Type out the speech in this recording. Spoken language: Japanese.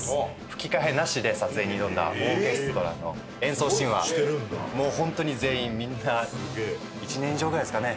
吹き替えなしで撮影に挑んだオーケストラの演奏シーンはもう本当に全員みんな１年以上ぐらいですかね